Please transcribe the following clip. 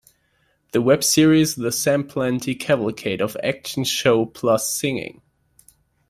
The webseries The Sam Plenty Cavalcade of Action Show Plus Singing!